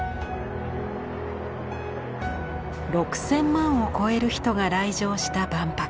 ６，０００万を超える人が来場した万博。